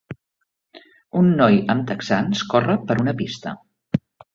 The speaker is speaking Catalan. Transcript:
Un noi amb texans corre per una pista.